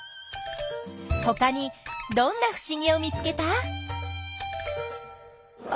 ほかにどんなふしぎを見つけた？